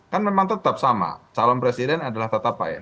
kan memang tetap sama salam presiden adalah tata pahir